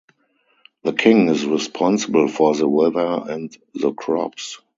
The king is responsible for the weather and the crops.